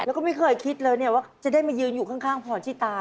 แล้วก็ไม่เคยคิดเลยว่าจะได้มายืนอยู่ข้างผ่อนชีตา